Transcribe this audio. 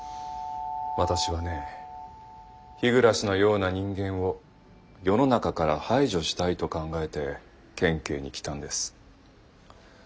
私はね日暮のような人間を世の中から排除したいと考えて県警に来たんです。